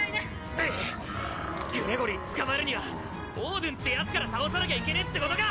グレゴリー捕まえるにはオードゥンって奴から倒さなきゃいけねぇってことか！